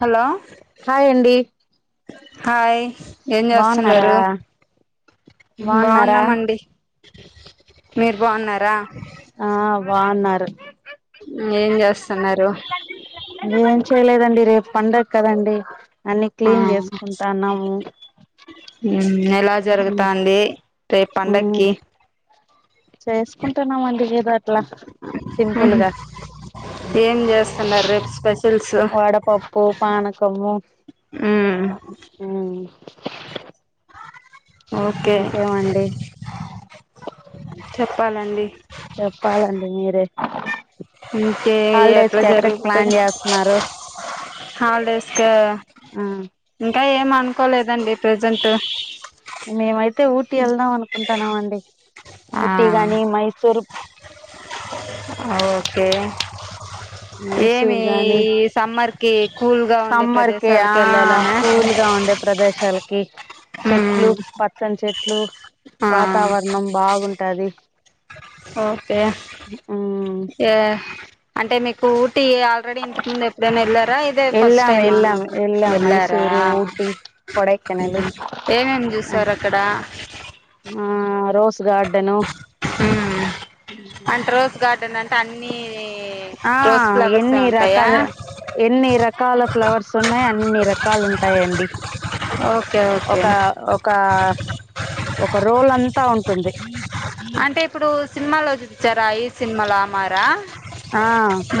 Hello hi అండి hi ఏం బాగున్నారా చేస్తున్నారు బాగున్నారా బాగున్నామండి మీరు బాగున్నారా ఆ వాన్నారుార అన్నారు ఏం చేయలేదండి రేపు పండగ కదండి అన్ని ఆ క్లీన్ చేసుకుంటాన్నాము ఎలా జరుగుతా అండి రేపు పండకి చేసుకుంటున్నాం అందుగేద అట్లా సింపుల్గా ఏం చేస్తున్నారు రేపు స్పెషల్స్ వడపప్పు పానకము ఆఫ్ ఉమ్ ఆవు ఓకే ఇంకేమండి చెప్పాలండి చెప్పాలం మీరే ఇంకే హాలిడేస్ ఎట్లా కి ఎక్కడికి ప్లాన్ జరుగుతుంది చేస్తున్నారు హాలిడేస్ క ఆ ఇంకా ఏం అనుకోలేదండి ప్రజెంట్ మేమైతే అయితే ఊటీ వెళ్దాం అనుకుంటున్నాం అండి ఊటీ గాని ఆ మైసూరు ఓకే ఏమి మైసూర్ గాని ఈ సమ్మర్ కి కూల్ గా ఉండే సమ్మర్ క ఆ ప్రదేశాలకు వెళ్ళాలనా కూల్గా ఉండే ప్రదేశాలకి చెట్లు ఉమ్ పచ్చ చెట్లు ఆ వాతావరణం బాగుంటది ఓకే ఉమ్ ఇ అంటే మీకు ఊటీ ఆల్రెడీ ఇంతకు ముందు ఎప్పుడైనా వెళ్లారా ఇదే ఫస్ట్ ఎళ్ళాం టైమ్ ఎళ్ళాం ఎళ్ళాం వెళ్లారా మైసూరు ఊటీ కొడైకెనాలు ఏమేమి చూసార అక్కడ ఆ రో స్ గార్డను ఉమ్ కన్ని ఆ ఎన్ని రకాల ఎన్ని రకాల ఫ్లవర్స్ ఉన్నాయి అన్ని రకాలు ఉంటాయండి ఓకే ఓకే ఒక ఒక ఒక రోల్ అంతా తుంది అంటే ఇప్పుడు సినిమాలో చూపించారా ఈ సినిమలా ఆ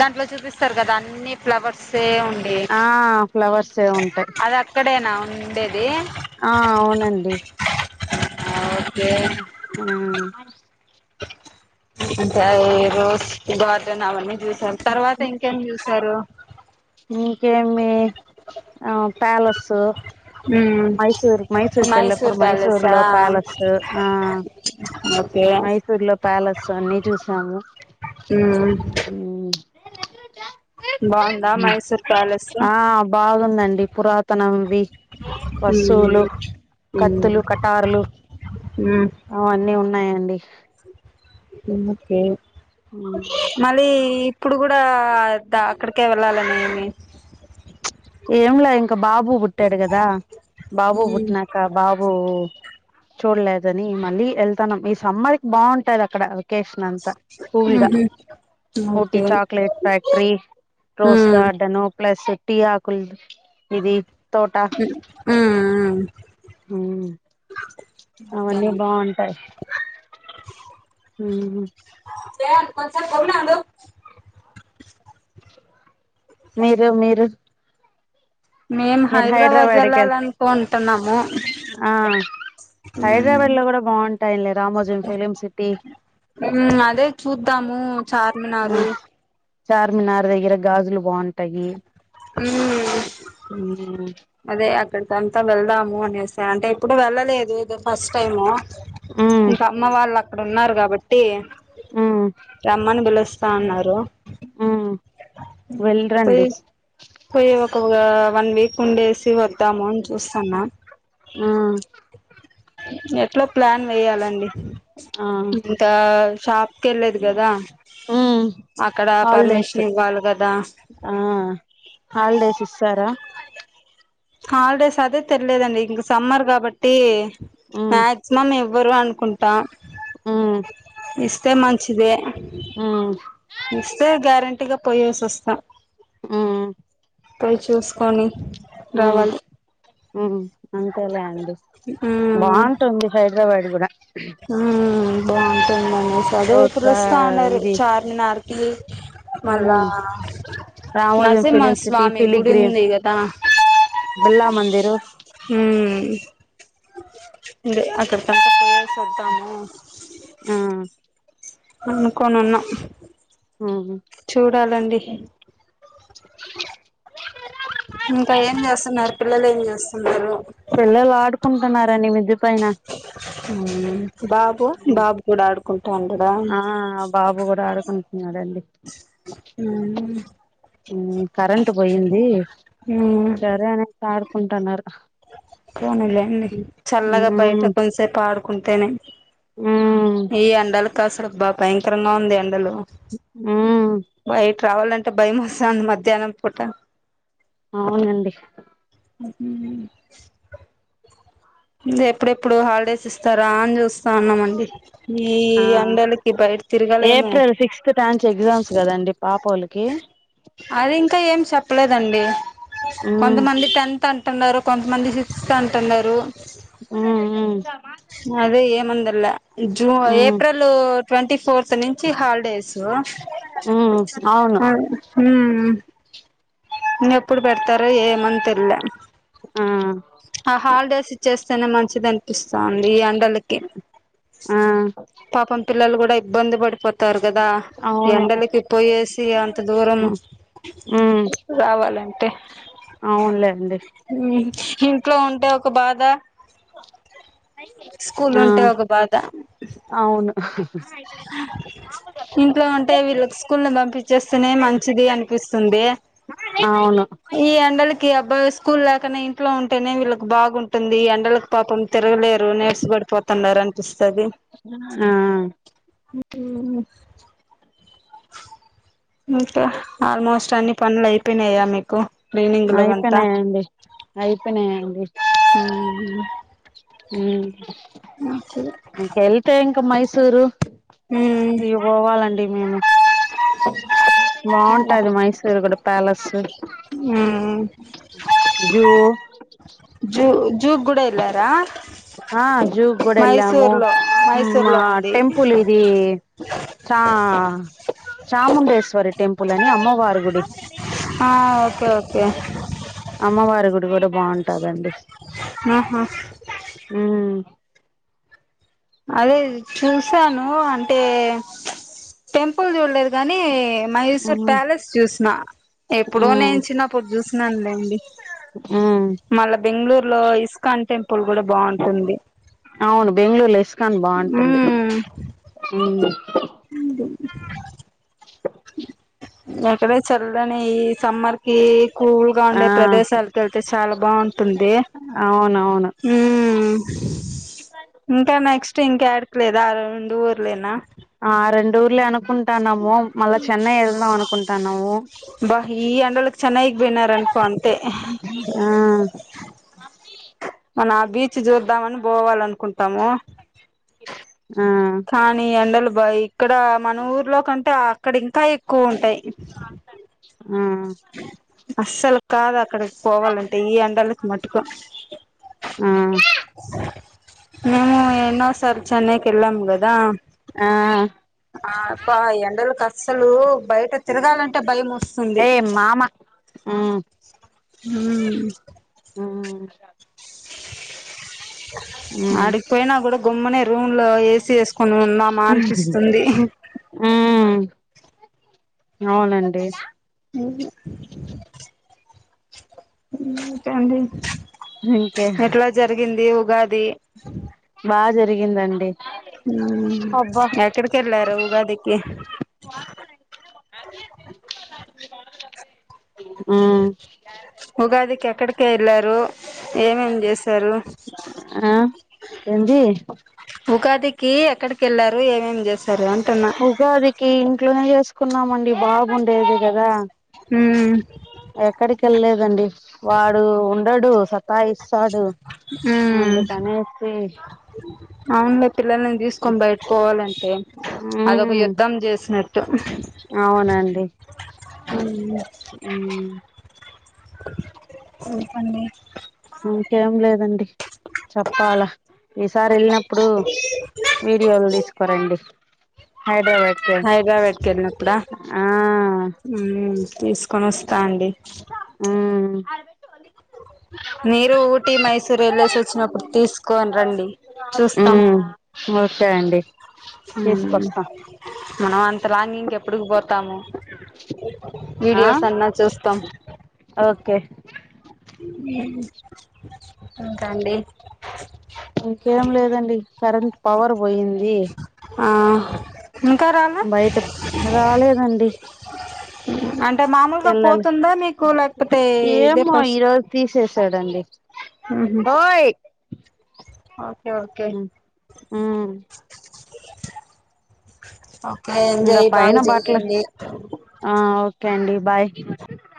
దాంట్లో చూపిస్తారు కదా అన్ని ఫ్లవర్ సే ఆ ఫ్లవర్స్ ఉంటాయి అది అక్కడేనా ఉండేది ఆ అవునండి [inaudible] ఓకే [unintelligible] రోస్ గార్డెన్ అవన్నీ చూసారు తర్వాత ఇంకేమి చూసారు ఇంకేమి ఆ ప్యాలసు మ్మ్. మైసూర్ మైసూర్కి వెళ్ళప్పుడు మైసూర్ లో ప్యాలెస్ ఆ ఓకే మైసూర్ లో ప్యాలస్ అన్ని చూసాము మ్మ్ బాంది ఆ బాగుందండి పురాతనంవి మ్మ్ వస్తువులు మ్మ్ కత్తులు కటారులు అవన్నీ ఉన్నాయండి మ్మ్ ఒకే మళ్ళీ ఇప్పుడు కూడా అక్కడికే వెళ్ళాలనిీ ఏం ల్య ఇంక బాబు పుట్టాడు కదా బాబు మ్మ్ పుట్టినాక బాబు చూడలేదని మళ్ళీ వెళ్తాన్నాం ఈ సమ్మర్ి బాగుంటది అక్కడ వెకషన్ అంత కూల్గ మ్హూ Ooty okay chocolate factory rose మ్మ్ గార్డన్ ప్లస్ టీ ఆక్ కుల్ విది మ్మ్ హు హ్మ్ మ్మ్ అవన్నీ బాగుంటాయి మ్మ్ హు హు ఏ అంట కొంచంచం పడా ఉదు మీరు మీరు మేమ్ మీరు హైదరాబాద్ కెల్ వెళ్ళాలనుకుంటున్నాము ఆ హైదరాబాద్ లో కూడా బాగుంటాయిలే రామోజీం ఫిలిం సిటీ ఉమ్ అదే చూద్దాము ఆ చార్మినారు చార్మినార్ దగ్గర గాజులు బాగుంటాయి మ్మ్ అ అదే అక్కడికి అంతా వెళ్దాము అనేస అంటే ఇప్పుడు వెళ్ళలేదు ఇద ఫస్ట్ టైము ఉమ్ ఇంకా అమ్మ వాళ్ళ అక్కడ ఉన్నారు కాబట్టి ఉమ్ రమ్మాన్ పిలుస్ త అన్నారు ఉమ్ వెళ్ళరండి పొయ్యేసి పోయ్ ఓ ఒగా వన్ వీక్ ఉండేసి వద్దాము చూస్తున్నా ఆ ఎట్లో ప్లాన్ వేయ్యాలండి ఇంకా షాప్ కి వెళ్ళేది కదా ఉ అక్కడ హాలిడేస్ పర్మిషన్ ఇవ్వాలి కదా ఆ హాలిడేస్ ఇస్తారా హాలిడేస్ అదే తేల్లేదండి ఇంక సమ్మర్ కాబట్టి ఉమ్ మాక్సిమం మేమ్ ఇవ్వరు అనుకుంటా ఆ ఇస్తే మంచిదే ఇస్తే గ్యారెన్ [inaudible] టీగ పోయేసోస్తా ఆ పోయ్ చూస్కొని రావాలి ఉహూ అంతేలే అండి ఆ అ ద్రవాడు కూడా ఆ బాగుంటు రోజుగా [inaudible] [unintelligible] ఇది చార్మినార్ ఈ మళ్ళా ఉమ్ రామోజీం నరసింహ ఫిలిం సిటీ స్వామి గుడి ఫిలిగ్రీమ్ ఉంది కదా బిర్లా మందిరు. అకడ [inaudible] తెద్దాము ఆ అన్నుకోనున్నా ఆ చూడాలండి ఇంకా ఏం చేస్తున్నారు పిల్లలు ఏం చేస్తున్నారు పిల్లలు ఆడుకుంటున్నారండి మిద్ది పైన మ్మ్ బాబు బాబు కూడా ఆడుకుంటాండడా ఆ బాబు కూడా ఆడుకుంటున్నారండి అ ఉవు ఉమ్ కరెంట్ పోయింది ఉమ్ సరే అనేసి ఆడుకుంటున్నారు పోనీలేండి, చల్లగా ఉమ్ బయట కొదిసేపు ఆడుకుంటేనే ఉమ్ ఈ ఎండలకా అసలు బా భయంకరంగా ఉంది ఎండలు, ఉమ్ బయ రావాలంటే భయమేస్తాంది మధ్యాహ్నం పూట. అవునండి. ఉమ్ హూ గ ఎప్పుడెప్పుడు హాలిడేస్ ఇస్తారా అని చూస్ స్థానమండి, ఈ ఆ ఎండలకి బయట తిరగాలేము. ఏప్రిల్ సిక్స్త్ టాన్స్ ఎగ్జామ్స్ కదండి పాపోళ్ళకి అది ఇంకా ఏం చెప్పలేదండి. ఉమ్ కొంతమంది టన్ టన్ టున్నారు కొంతమంది సిక్స్త్ అంటున్నారు. ఉమ్ ఉమ్ లే ఇ జూ, ఏప్రిల్ ట్వంటీ ఫోర్త్ నుంచి హాలిడేసు. ఉమ్ అవును అ, ఉమ్ ఉమ్ ఇంగ ఎప్పుడు పెడతరో ఏమన్ తెల్లే. ఆ ఆ హాలిడేస్ ఇచ్చేస్తేనే మంచిదనిపిస్తాంది, అన్ వాలక్కి, ఆ పాపం పిల్లలు కూడా బంది పడిపోతారు. కదా, అవును ఎండలకి పోయేసి అంత దూరం ఉమ్ రావాలంటే? అవునులేండి ట్లో ఉంటే ఒక బాధ స్కూల్ ఆ ఉంటే ఒక బాధ అవును ఇంట్లో ఉంటే వీళ్ళకి స్కూల్ ను పంపించేస్తనే మంచిది అనిపిస్తుంది అవును ఈ ఎండలకి అబ్బాయి స్కూల్ లేక కనీ ఇంట్లోన్ నే వీళ్కి బాగుంట తుంది, ఎండలకు పాపం తిరగలేరు, నీరస పడి పోతున్నారు అనిపిస్తది. ఆ ఉమ్ హూ ఇంకా? ఆల్మోస్ట్ అన్ని పనులు అయిపోయినయా మీకు? క్లీనింగ్ లవంతా అయిపోయినాయండి, అయిపోయినాయండి. ఉమ్ హు మ్మ్ ఇంకా మైసూరు ఉమ్ ఇగవాలండి మేము బాగుంటాది మైసూరు కూడా ప్యాలెస్ ఉమ్ జూ జ జూ గుడ ఆ జూ కూడా వెళ్లాము మైసూర్ లో మైసూర్ మా లో ఉంది టెంపుల్ ఇది ఆ చా చాముండేశ్వరి టెంపుల్ అమ్మవారి గుడి ఆ ఓకే ఓకే అమ్మవారి గుడి కూడా బాగుంటాదండి ఆహా ఆ అదే చూసాను అంటే టెంపుల్ చూడలేదు కానీ మైసూర్ ఉమ్ ప్యాలెస్ చూసిన ఎప్పుడో ఉమ్ నేను చిన్నప్పుడు చూసినానులేండి ఉమ్ మళ్ళా బెంగళూరు లో ఇస్కాన్ టెంపుల్ కూడా బాగుంటుంది కాని బాగుంటుంది ఉ అ ఎక్కడే చల్దని ఈ సమ్మర్ కి కూల్గా ఆ ఉండే ప్రదేశాలకు వెళ్తే చాలా బాగుంటుంది అవునవును ఇంకా నెక్స్ట్ ఇంకాడలేదు అ ఇ ఊర్లేనా ఆ రెం ూర్లే అనుకుంటాన్నాము మళ్ళా చెన్నై వెళ్దాం అనుకుంటాన్నాము బా ఈ ఎండలకి చన వినర్ అనుకోంతే ఆ మనం ఆ బీచ్ చూద్దామని పోవాల అనుకుంటాము ఆ కానీ ఎండలు ఇక్కడ మన ఊర్లో కంటే అక్కడ ఇంకా ఎక్కువ ఉంటాయి ఆ అస్సలు కాదు అక్కడికి పోవాలంటే ఈ ఎండలకి మటుకు ఆ మేము చెన్నైకి ఎన్నో సార్లు వెళ్లాం కదా ఆ అబ్బా ఈ ఎండలకి కష్టం సలు బయట తిరగాలంటే భయం వస్తుంది ఏ మామ మ్మ్ ఉమ్ మ్మ్ అ ఉమ్ అడికిపోయినా కూడ గుమ్మనే రూమ్ లో ఏ సీ ఎస్ కొన్ని ఉన్నామా అనిపిస్తుంది ఉమ్ అవునండి నైట్ అండి ఇంకే ఎట్లా జరిగింది ఒక ఉగాది బాగా జరిగిందండి మ్మ్ అబ్బా ఎక్కడకెళ్ళారు ఉగాదికి ఉమ్ ఉగాది కెక్కడికి ఎల్లారు రూ ఏమేం చేసారు ఆ ఏంది ఉగాది కీ ఎక్కడికకెళ్లారు ఏమేం చేస్తారు ఉగాదికి ఇంట్లోనే చేసుకున్నాం మండి బాబుండేదిే కదా ఉమ్ ఎక్కడికి వెళ్ళలేదండి వాడు ఉ ఇనడు సతాయిస్ వస్తాడు ఉమ్ అందుకనేసి అవునులే పిల్లల్ని తీసుకొని బయటకోవాలంటే అదొక ఉమ్ యుద్ధం చేసినట్ అవునండి [unintelligible] ఇంకేం లేదండి చెప్పాలా ఈసారి వెళ్ళినప్పుడు వీడియోలు తీసుకోరండి హైదరాబాద్కు ఎల్లినప్పుడ ఆ మ్మ్ తీసుకొని వస్తా అండి మ్మ్ మీరు ఊటీ మైసూర్ ఎల్లెస్ వచ్చినప్పుడు తీసుకోని రండి చూస్తాం ఓకే అండి మ్మ్ తీసుకొస్తాం మనం అంత లాంగ్ ఇంగెప్ ఎప్పుడుకి పోతాము ఆ వీడియోస్ అన్నా చూస్తాం ఓకే ఇంకా అండి ఇంకేం లేదండి కరెంట్ పవర్ పోయింది ఆ ఇంకా రాలే బయట రా అంటే మామూలుగా పోతుందా మీకు లేకపోతే ఇదే పస్ ఓకే ఓకే ఆ ఓకే ఇంకా ఎంజాయ్ పైన బాగా జెయ్యండి కడి బాయ్